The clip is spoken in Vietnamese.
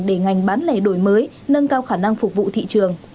để ngành bán lẻ đổi mới nâng cao khả năng phục vụ thị trường